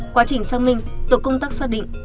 quá trình xác minh tổ công tác xác định